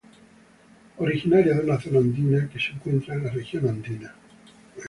Originaria de una zona andina que se encuentra en la región andina.